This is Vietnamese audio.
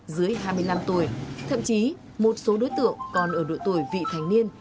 dưới hai mươi năm tuổi thậm chí một số đối tượng còn ở độ tuổi vị thành niên